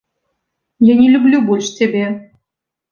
Я не люблю больш цябе!